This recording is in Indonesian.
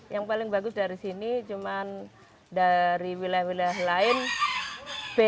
yang paling bagus dari sini cuma dari wilayah wilayah lain beda